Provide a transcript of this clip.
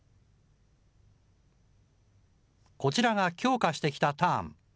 こちらが強化してきたターン。